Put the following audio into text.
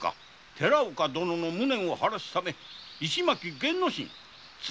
寺岡殿の無念を晴らすため石巻弦之進綱